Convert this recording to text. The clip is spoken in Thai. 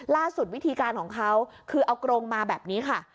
วิธีการของเขาคือเอากรงมาแบบนี้ค่ะ